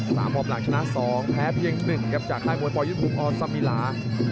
สามออบหลังชนะ๒แพ้เพียง๑ครับจากค่ายมวยปอยุธภูมิออสมิลา